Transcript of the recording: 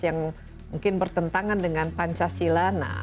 yang mungkin bertentangan dengan pancasila